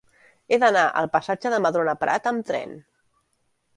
He d'anar al passatge de Madrona Prat amb tren.